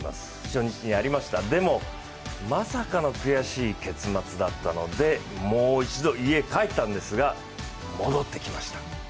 初日にやりました、でも、まさかの悔しい結末だったので、もう一度、家に帰ったんですが戻ってきました。